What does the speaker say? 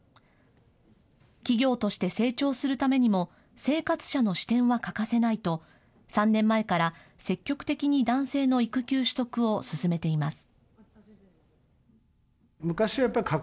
企業として成長するためにも生活者の視点は欠かせないと３年前から積極的に男性の育休取得を進めています。